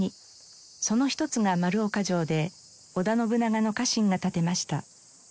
その一つが丸岡城で織田信長の家臣が建てました。